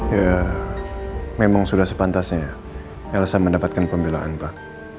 ya memang sudah sepantasnya ya elsa mendapatkan pembelaan pak